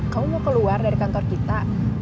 kamu mau keluar dari kantor kita